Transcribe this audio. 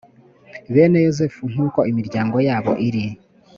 bene yosefu nk uko imiryango yabo iri